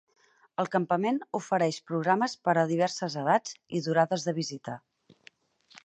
El campament ofereix programes per a diverses edats i durades de visita.